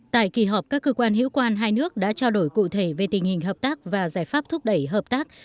tại kỳ họp các cơ quan hữu quan hai nước đã trao đổi cụ thể về tình hình hợp tác và giải pháp thúc đẩy hợp tác